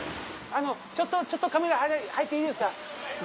ちょっとカメラ入っていいですか？